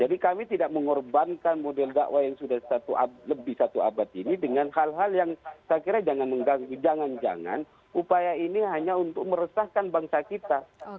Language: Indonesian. jadi kami tidak mengorbankan model dakwah yang sudah lebih satu abad ini dengan hal hal yang saya kira jangan mengganggu jangan jangan upaya ini hanya untuk meresahkan bangsa kita